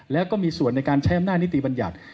แล้วก็มีส่วนในการใช้อำนาจนิติบัญญัติ